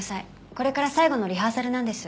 これから最後のリハーサルなんです。